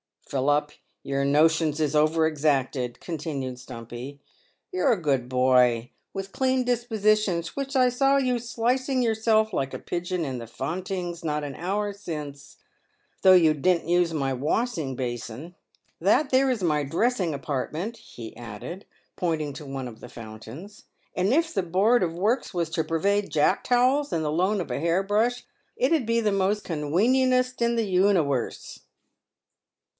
" Philup, your notions is over exacted !" continued Stumpy. "You're a good boy, with clean dispositions, which I saw you sluicing yourself like a pidgeon in the fountings not an hour sins, though you didn't use my washing basin. That there is my dressing apartment," he added, pointing to one of the fountains, "and if the board of wurks was to pervide jack towels and the loan of a hair brush, it 'ud be the most convenientest in the uniwerse."